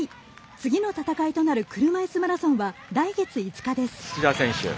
次の戦いとなる車いすマラソンは来月５日です。